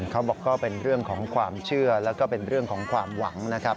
เขาบอกก็เป็นเรื่องของความเชื่อแล้วก็เป็นเรื่องของความหวังนะครับ